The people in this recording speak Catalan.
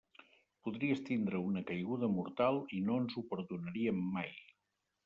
Podries tindre una caiguda mortal i no ens ho perdonaríem mai.